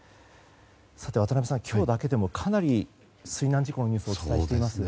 渡辺さん、今日だけでもかなり水難事故のニュースをお伝えしています。